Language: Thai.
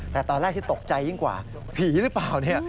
แต่ตอนแรกที่ตกใจยิ่งกว่าผีหรือเปล่าเนี่ย